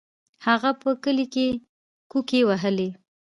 هغه په کلي کې کوکې وهلې.